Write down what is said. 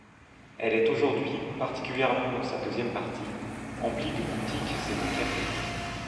Elle est aujourd'hui, particulièrement dans sa deuxième partie, emplie de boutiques et de cafés.